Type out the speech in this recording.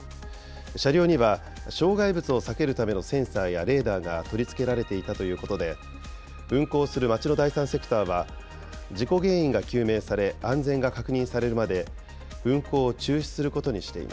車両には障害物を避けるためのセンサーやレーダーが取り付けられていたということで、運行する町の第三セクターは、事故原因が究明され、安全が確認されるまで運